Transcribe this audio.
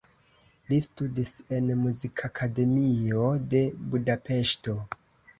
Li studis en Muzikakademio de Budapeŝto.